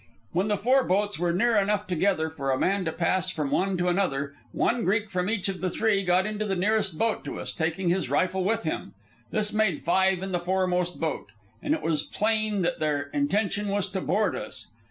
When the four boats were near enough together for a man to pass from one to another, one Greek from each of three got into the nearest boat to us, taking his rifle with him. This made five in the foremost boat, and it was plain that their intention was to board us.